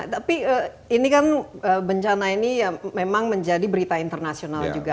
tapi ini kan bencana ini memang menjadi berita internasional juga